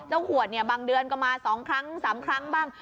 เจ้าขวดบางเดือนก็มา๒๓ครั้งบ้าง